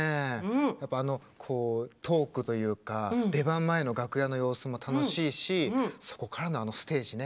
やっぱ、あのトークというか出番前の楽屋の様子も楽しいしそこからの、あのステージね。